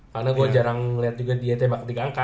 karena gue jarang liat juga dia tembak tiga angka